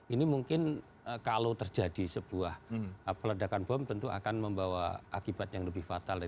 ini mungkin kalau terjadi sebuah peledakan bom tentu akan membawa akibat yang lebih fatal